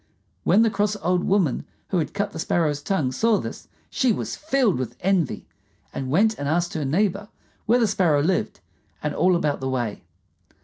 When the cross old woman who had cut the Sparrow's tongue saw this, she was filled with envy, and went and asked her neighbor where the Sparrow lived and all about the way.